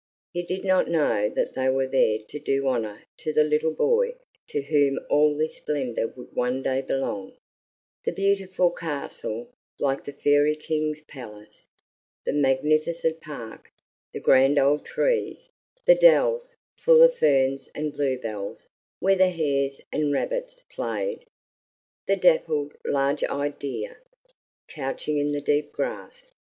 He did not know that they were there to do honor to the little boy to whom all this splendor would one day belong, the beautiful castle like the fairy king's palace, the magnificent park, the grand old trees, the dells full of ferns and bluebells where the hares and rabbits played, the dappled, large eyed deer couching in the deep grass.